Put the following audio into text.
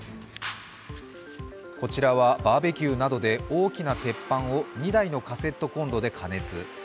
こちらはバーベキューなどで大きな鉄板を２台のカセットコンロで加熱。